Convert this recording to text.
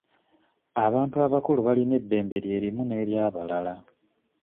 Abantu abakulu balina eddembe lye limu n'eryabalala.